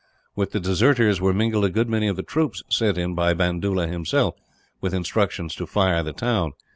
With the deserters were mingled a good many of the troops sent in by Bandoola, himself, with instructions to fire the town.